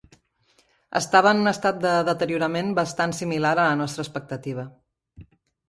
Estava en un estat de deteriorament bastant similar a la nostra expectativa.